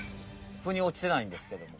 ふにおちてないんですけども。